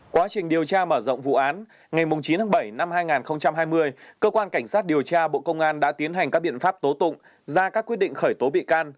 quá trình điều tra mở rộng vụ án ngày chín tháng bảy năm hai nghìn hai mươi cơ quan cảnh sát điều tra bộ công an đã tiến hành các biện pháp tố tụng ra các quyết định khởi tố bị can